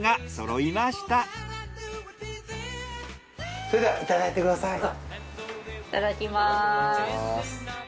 いただきます。